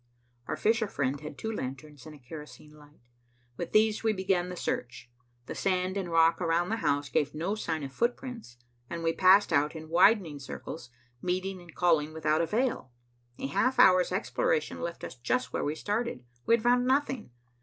Our fisher friend had two lanterns and a kerosene light. With these, we began the search. The sand and rock around the house gave no sign of footprints, and we passed out in widening circles, meeting and calling without avail. A half hour's exploration left us just where we started. We had found nothing.